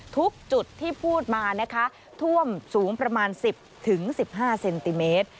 ทุกจุดที่พูดมานะคะท่วมสูงประมาณสิบถึงสิบห้าเซนติเมตร